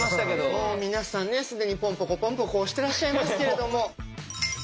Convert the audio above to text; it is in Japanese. もう皆さんね既にポンポコポンポコ押してらっしゃいますけれども。